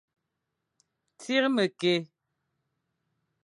Tsir mekel.